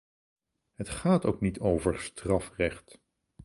Het gaat ook niet over strafrecht.